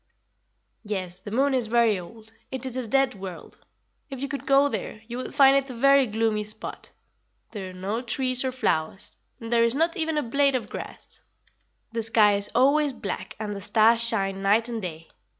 "Yes, the moon is very old; it is a dead world. If you could go there, you would find it a very gloomy spot. There are no trees or flowers; and there is not even a blade of grass. The sky is always black and the stars shine night and day.